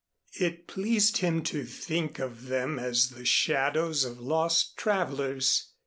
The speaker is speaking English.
It pleased him to think of them as the shadows of lost travelers.